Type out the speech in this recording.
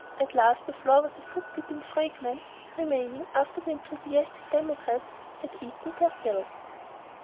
At last the floor was a foot deep in the fragments remaining after the enthusiastic Democrats had eaten their fill.